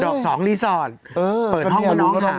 เปิดห้องของน้องค่ะ